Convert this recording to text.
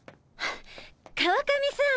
川上さん